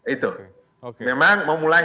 itu memang memulai